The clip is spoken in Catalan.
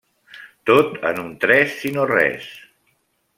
Tot en un tres i no res.